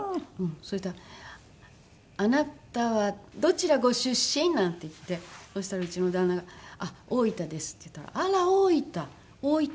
そしたら「あなたはどちらご出身？」なんて言ってそしたらうちの旦那が「あっ大分です」って言ったら「あら大分！